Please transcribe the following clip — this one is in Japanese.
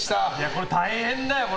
これ大変だよ。